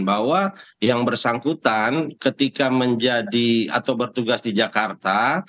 bahwa yang bersangkutan ketika menjadi atau bertugas di jakarta